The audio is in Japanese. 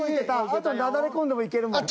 あとなだれ込んでもいけるもん。